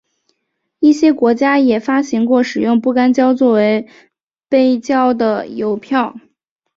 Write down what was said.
一些国家也发行过使用不干胶作为背胶的邮票。